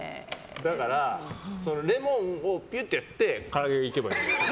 だからレモンをピュッとやってから揚げいけばいいじゃん。